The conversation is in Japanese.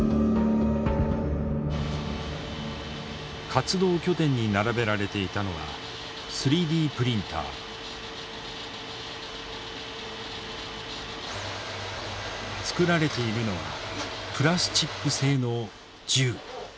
活動拠点に並べられていたのは作られているのはプラスチック製の銃。